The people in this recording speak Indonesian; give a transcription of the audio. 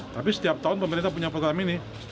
tapi setiap tahun pemerintah punya program ini